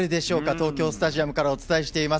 東京スタジアムからお伝えしています。